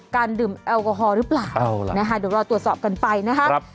ดื่มแอลกอฮอลหรือเปล่านะคะเดี๋ยวรอตรวจสอบกันไปนะครับ